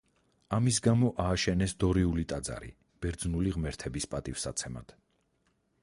ამის გამო ააშენეს დორიული ტაძარი, ბერძნული ღმერთების პატივსაცემად.